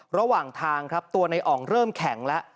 ระหว่างทางครับตัวในอ่องเริ่มแข็งแล้ว